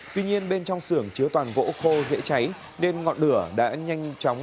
tuy nhiên bên trong xưởng chứa toàn gỗ khô dễ cháy nên ngọn lửa đã nhanh chóng